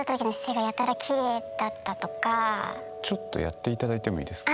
ちょっとやっていただいてもいいですか。